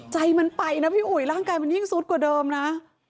ใจมันไปนะพี่อุ๋ยร่างกายมันยิ่งซุดกว่าเดิมนะ